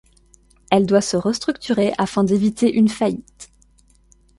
Elle doit se restructurer afin d'éviter une faillite.